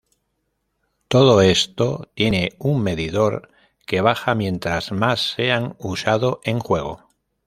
Todo esto tiene un medidor que baja mientras más sean usado en juego.